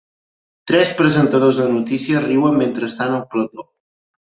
Tres presentadors de notícies riuen mentre estan al plató.